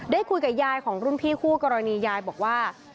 ได้คุยกับยายของรุ่นพี่คู่กรณียายบอกว่า